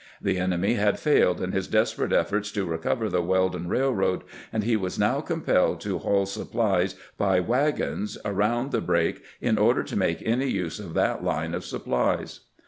The enemy had failed in his desperate efforts to recover the Weldon Railroad, and he was now compelled to haul supplies by wagons around the break in order to make any use of that line of supplies.